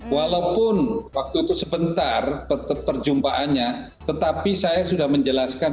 walaupun waktu itu sebentar tetap perjumpaannya tetapi saya sudah menjelaskan